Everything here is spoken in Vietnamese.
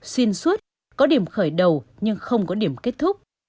xuyên suốt có điểm khởi đầu nhưng không có điểm kết thúc